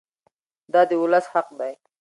دا د ولس حق دی.